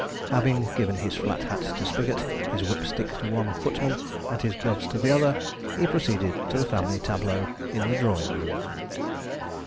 Having given his flat hat to Spigot, his whip stick to one footman, and his gloves to the other, he proceeded to the family tableau in the drawing room.